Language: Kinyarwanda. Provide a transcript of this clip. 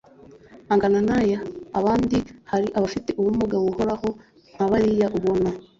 angana naya abandi hari abafite ubumuga buhoraho nka bariya ubona